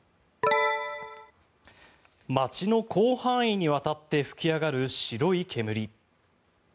街の広範囲にわたって噴き上がる白い煙。